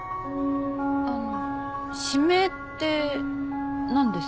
あの指名って何ですか？